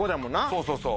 そうそうそう。